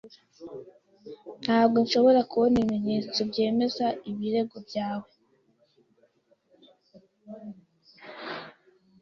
Ntabwo nshobora kubona ibimenyetso byemeza ibirego byawe .